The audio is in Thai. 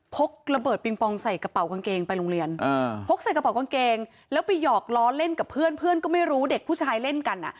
กระเบิงปองใส่กระเป๋ากางเกงไปโรงเรียนพกใส่กระเป๋ากางเกงแล้วไปหยอกล้อเล่นกับเพื่อนเพื่อนก็ไม่รู้เด็กผู้ชายเล่นกันอ่ะ